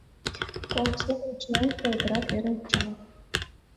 Кол семын чылан келгырак верым кычалыт.